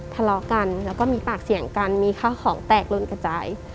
ทะเลาะกันแล้วก็มีปากเสียงกันมีข้าวของแตกลนกระจาย